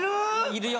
いるよ。